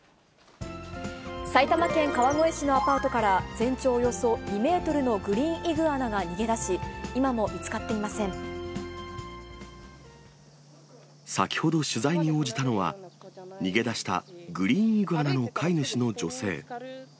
埼玉県川越市のアパートから、全長およそ２メートルのグリーンイグアナが逃げ出し、今も見つか先ほど、取材に応じたのは、逃げ出したグリーンイグアナの飼い主の女性。